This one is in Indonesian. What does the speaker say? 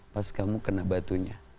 pas kamu kena batunya